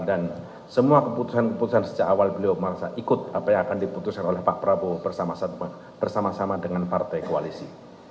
dan semua keputusan keputusan sejak awal beliau merasa ikut apa yang akan diputuskan oleh pak prabowo bersama sama dengan partai koalisi